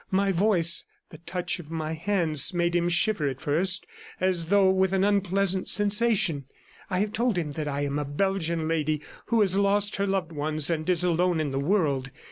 My voice, the touch of my hands made him shiver at first, as though with an unpleasant sensation. I have told him that I am a Beigian lady who has lost her loved ones and is alone in the world.